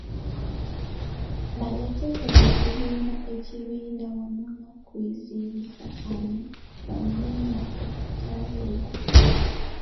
Bagateeke mu kuzimba ekibiina wamu n'okuziyiza bammemba okukyabuulira.